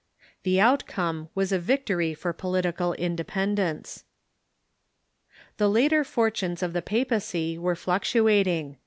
The outcome was a victory for political independence. The later fortunes of the papacy were fluctuating.